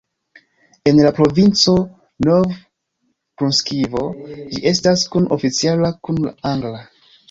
En la provinco Nov-Brunsviko ĝi estas kun-oficiala kun la angla.